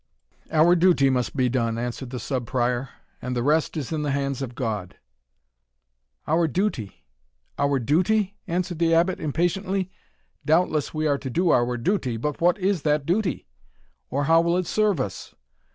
"Our duty must be done," answered the Sub Prior, "and the rest is in the hands of God." "Our duty our duty?" answered the Abbot, impatiently; "doubtless we are to do our duty; but what is that duty? or how will it serve us?